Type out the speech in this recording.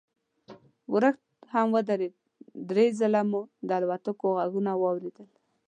ورښت هم ودرېد، درې ځله مو د الوتکو غږونه واورېدل.